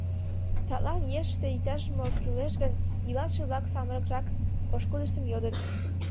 Садлан ешыште иктаж-мо кӱлеш гын, илалше-влак самырыкрак пошкудыштым йодыт.